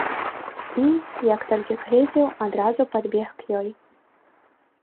І, як толькі згледзеў, адразу падбег к ёй.